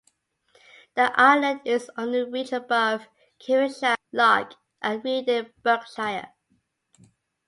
The island is on the reach above Caversham Lock at Reading, Berkshire.